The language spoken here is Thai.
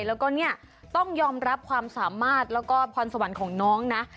แล้วก็เนี่ยต้องยอมรับความสามารถแล้วก็พรสวรรค์ของน้องนะ